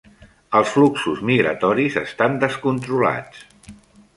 Els fluxos migratoris estan descontrolats